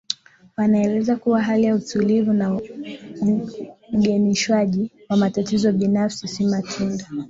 wanaeleza kuwa hali ya utulivu na ugenishwaji wa matatizo binafsi si matunda